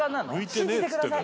信じてください